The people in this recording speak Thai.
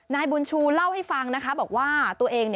นายบุญชูเล่าให้ฟังนะคะบอกว่าตัวเอง